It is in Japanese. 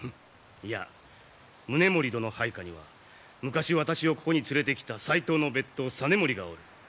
いや宗盛殿配下には昔私をここに連れてきた斎藤の別当実盛がおる。